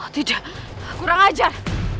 tidak kurang ajar